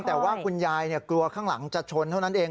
แต่ว่าคุณยายกลัวข้างหลังจะชนเท่านั้นเอง